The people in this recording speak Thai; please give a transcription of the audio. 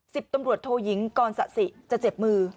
สิบตำรวจโทยิงกรสะสิจะเจ็บมือ